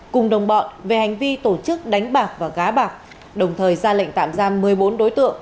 cùng đồng bọn về hành vi tổ chức đánh bạc và gá bạc đồng thời ra lệnh tạm giam một mươi bốn đối tượng